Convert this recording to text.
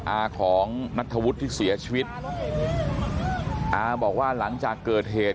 อาของนัทธวุฒิที่เสียชีวิตอาบอกว่าหลังจากเกิดเหตุ